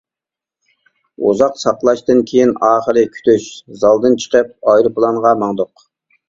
ئۇزاق ساقلاشتىن كېيىن ئاخىرى كۈتۈش زالىدىن چىقىپ ئايروپىلانغا ماڭدۇق.